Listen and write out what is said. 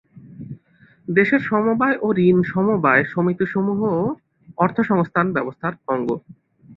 দেশের সমবায় ও ঋণ-সমবায় সমিতিসমূহও অর্থসংস্থান ব্যবস্থার অঙ্গ।